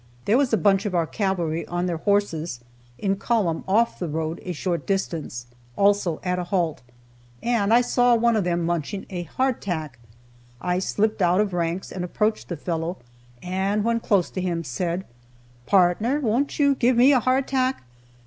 There was a bunch of our cavalry on their horses, in column off the road a short distance, also at a halt, and I saw one of them munching a hardtack. I slipped out of ranks and approached the fellow, and when close to him said, "Partner, won't you give me a hardtack?"